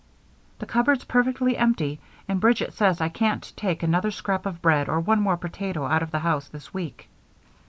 The cupboard's perfectly empty and Bridget says I can't take another scrap of bread or one more potato out of the house this week."